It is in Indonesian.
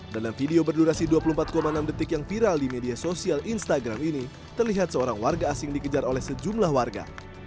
dalam video berdurasi dua puluh empat enam detik yang viral di media sosial instagram ini terlihat seorang warga asing dikejar oleh sejumlah warga